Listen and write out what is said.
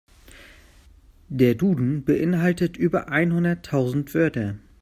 Der Duden beeinhaltet über einhunderttausend Wörter.